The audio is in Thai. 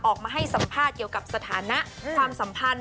ออกมาให้สัมภาษณ์เกี่ยวกับสถานะความสัมพันธ์